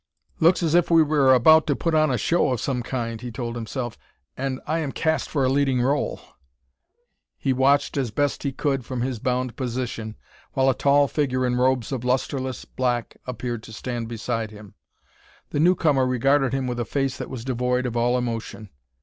"Looks as if we were about to put on a show of some kind," he told himself, "and I am cast for a leading role." He watched as best he could from his bound position while a tall figure in robes of lustreless black appeared to stand beside him. The newcomer regarded him with a face that was devoid of all emotion.